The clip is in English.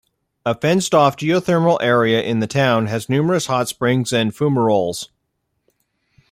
A fenced-off geothermal area in the town has numerous hot springs and fumaroles.